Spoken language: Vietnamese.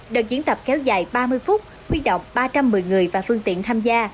đợt diễn tập kéo dài ba mươi phút huy động ba trăm một mươi người và phương tiện tham gia